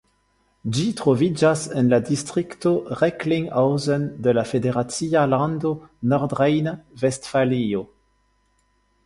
Ĝi troviĝas en la distrikto Recklinghausen de la federacia lando Nordrejn-Vestfalio.